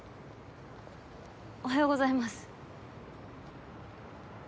おはようございます。